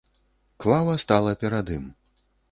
Клава стала перад ім.